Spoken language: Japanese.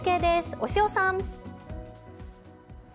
押尾さん。